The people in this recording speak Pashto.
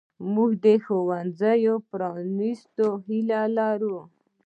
موږ د ښوونځیو پرانیستو هیله لرو.